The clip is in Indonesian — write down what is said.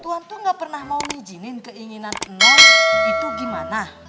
tuhan tuh gak pernah mau mijinin keinginan nol itu gimana